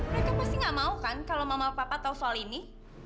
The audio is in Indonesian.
mereka pasti nggak mau kan kalau mama papa tahu soal ini